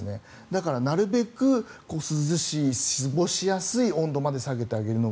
だから、なるべく涼しい過ごしやすい温度まで下げてあげる。